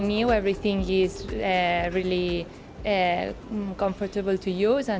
semuanya sangat nyaman untuk digunakan